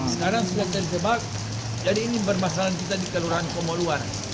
sekarang sedang terjebak jadi ini bermasalah kita di kelurahan komoluar